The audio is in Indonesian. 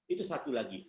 itu satu lagi